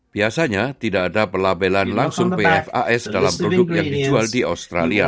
biasanya tidak ada pelabelan langsung pfas dalam produk yang dijual di australia